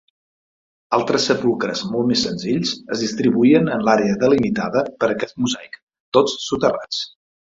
Altres sepulcres molt més senzills es distribuïen en l'àrea delimitada per aquest mosaic, tots soterrats.